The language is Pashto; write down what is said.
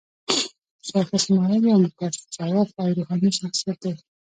شېخ اسماعیل یو متصوف او روحاني شخصیت دﺉ.